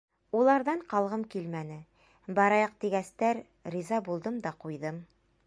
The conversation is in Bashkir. — Уларҙан ҡалғым килмәне, барайыҡ тигәстәр, риза булдым да ҡуйҙым.